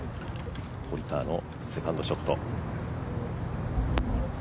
堀川のセカンドショット。